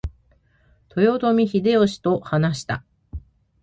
豊臣秀吉と話した。